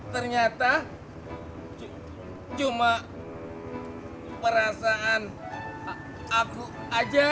ternyata cuma perasaan aku aja